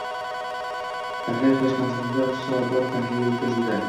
Tahlil qilish maqsadida hisobot tahlili o‘tkazildi.